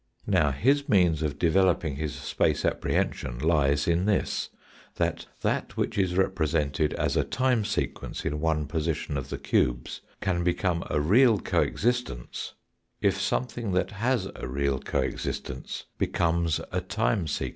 Now, his means of developing his space apprehension lies in this, that that which is represented as a time sequence in one position of the cubes, can become a real co existence, if something that has a real co existence becomes a time sequence.